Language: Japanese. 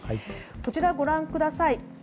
こちらをご覧ください。